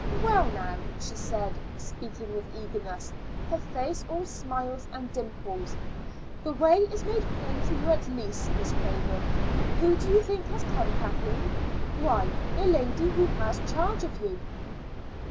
"Well, now," she said, speaking with eagerness, her face all smiles and dimples, "the way is made plain for you at least, Miss Craven. Who do you think has come, Kathleen? Why, the lady who has charge of you."